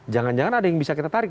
jangan jangan ada yang bisa kita tarik